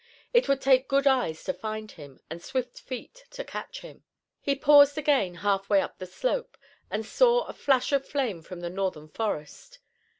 It would take good eyes to find him and swift feet to catch him. He paused again halfway up the slope, and saw a flash of flame from the Northern forest.